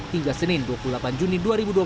hingga senin dua puluh delapan juni dua ribu dua puluh